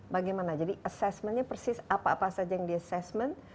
bagaimana jadi assessmentnya persis apa apa saja yang di assessment